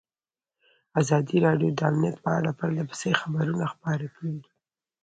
ازادي راډیو د امنیت په اړه پرله پسې خبرونه خپاره کړي.